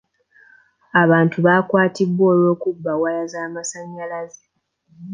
Abantu baakwatibwa olwokubba waya z'amasanyalaze.